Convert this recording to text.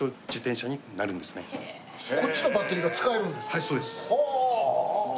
はいそうです。ほう！